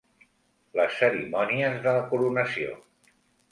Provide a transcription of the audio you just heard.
Les cerimònies de la coronació.